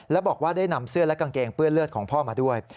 และบอกว่าได้นำเสื้อและกางเกงเปื้อนเลือดของพ่อมาด้วย